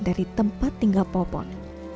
dari tempat tinggal popon